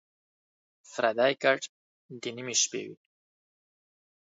پردی کټ دَ نیمې شپې وي